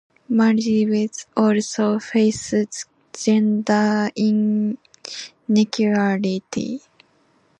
Maldives also faces gender inequality.